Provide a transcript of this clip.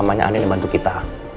namanya anin yang bantu kita